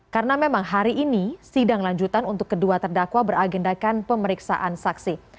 karena memang hari ini sidang lanjutan untuk kedua terdakwa beragendakan pemeriksaan saksi